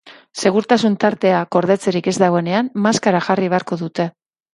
Segurtasun-tartea gordetzerik ez dagoenean, maskara jarri beharko dute.